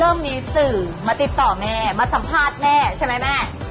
มีสื่อมาติดต่อแม่มาสัมภาษณ์แม่ใช่ไหมแม่